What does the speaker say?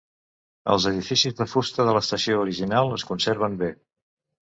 Els edificis de fusta de l'estació original es conserven bé.